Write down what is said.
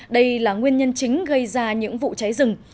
đây là nguyên nhân chính gây ra những vụ cháy rừng